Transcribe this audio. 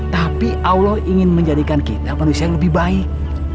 tapi allah ingin menjadikan kita manusia yang lebih baik